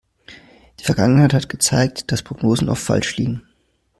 Die Vergangenheit hat gezeigt, dass Prognosen oft falsch liegen.